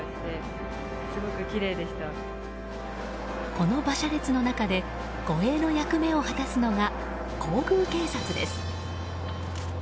この馬車列の中で護衛の役目を果たすのが皇宮警察です。